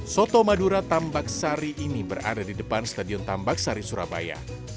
soto madura tambak sari ini berada di depan stadion tambak sari surabaya